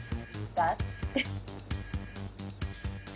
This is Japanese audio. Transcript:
だって。